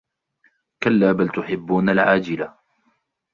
كلا بل تحبون العاجلة